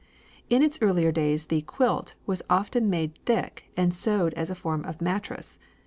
In its earlier days the "quilt" was often made thick and sewed as a form of mattress.